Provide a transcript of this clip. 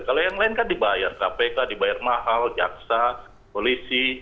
kalau yang lain kan dibayar kpk dibayar mahal jaksa polisi